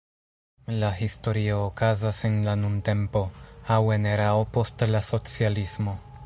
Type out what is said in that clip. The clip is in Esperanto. La historio okazas en la nuntempo, aŭ en erao post la socialismo.